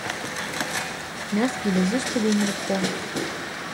Насгьы дызусҭада инурхо?